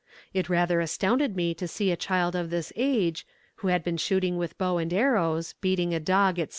It rather astonished me to see a child of this age, who had been shooting with bow and arrows, beating a dog, &c.